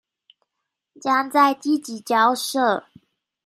將再積極交涉